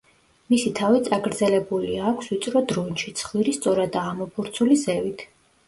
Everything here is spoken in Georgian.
მისი თავი წაგრძელებულია, აქვს ვიწრო დრუნჩი, ცხვირი სწორადაა ამობურცული ზევით.